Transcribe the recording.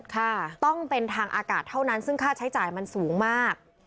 ค่ะต้องเป็นทางอากาศเท่านั้นซึ่งค่าใช้จ่ายมันสูงมาก